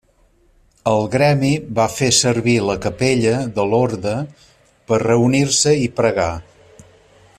El gremi va fer servir la capella de l'orde per reunir-se i pregar.